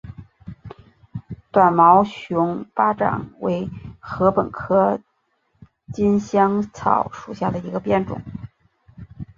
短毛熊巴掌为禾本科锦香草属下的一个变种。